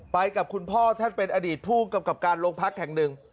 ไปกับคุณพ่อท่านเป็นอดีตผู้กำกับการโรงพักแห่งหนึ่ง